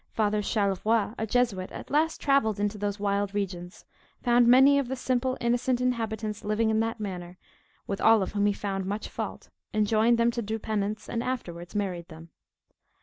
Father Charlevoix, a Jesuit, at last travelled into those wild regions, found many of the simple, innocent inhabitants living in that manner; with all of whom he found much fault, enjoined them to do penance, and afterwards married them.